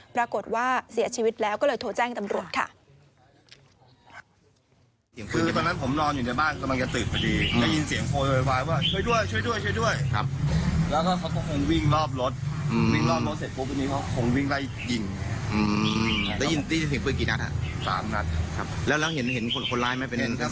ปรากฏว่าเสียชีวิตแล้วก็เลยโทรแจ้งตำรวจค่ะ